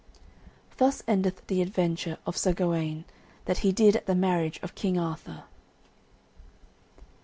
Thus endeth the adventure of Sir Gawaine, that he did at the marriage of King Arthur.